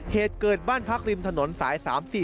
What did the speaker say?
เหตุเกิดบ้านพักริมถนนสาย๓๔